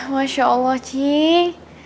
masya allah cing